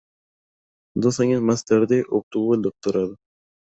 Dos años más tarde obtuvo el doctorado.